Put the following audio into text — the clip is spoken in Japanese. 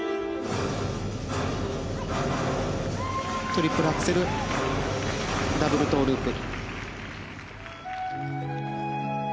トリプルアクセルダブルトウループ。